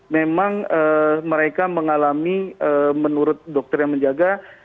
memang mereka mengalami menurut dokter yang menjaga